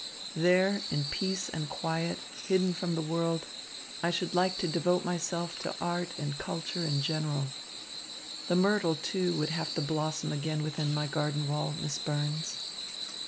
There, in peace and quiet, hidden from the world, I should like to devote myself to art and culture in general. The myrtle, too, would have to blossom again within my garden wall, Miss Burns."